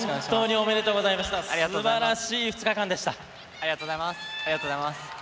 ありがとうございます。